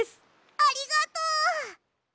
ありがとう！